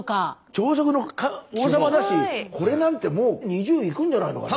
朝食の王様だしこれなんてもう２０いくんじゃないのかな。